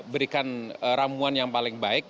berikan ramuan yang paling baik